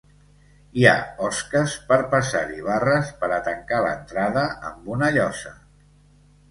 Hi ha osques per passar-hi barres per a tancar l'entrada amb una llosa.